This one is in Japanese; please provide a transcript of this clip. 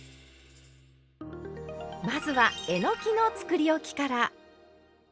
まずはえのきのつくりおきから。